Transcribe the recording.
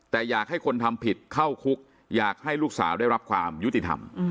แต่อยากให้คนทำผิดเข้าคุกอยากให้ลูกสาวได้รับความยุติธรรม